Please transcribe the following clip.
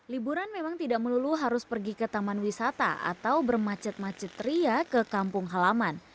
liburan memang tidak melulu harus pergi ke taman wisata atau bermacet macet ria ke kampung halaman